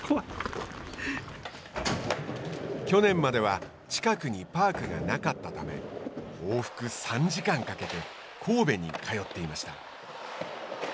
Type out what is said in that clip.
去年までは近くにパークがなかったため往復３時間かけて神戸に通っていました。